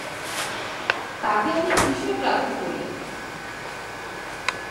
তাকে আমি কিসের গ্রাহ্য করি!